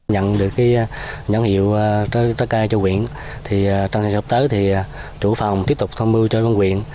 nhận được cái nhãn hiệu trái cây cho huyện thì trong thời gian gặp tới thì chủ phòng tiếp tục thông mưu cho quân huyện